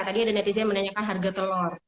tadi ada netizen yang menanyakan harga telur